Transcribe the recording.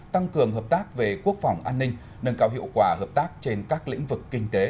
tăng cường hợp tác về quốc phòng an ninh nâng cao hiệu quả hợp tác trên các lĩnh vực kinh tế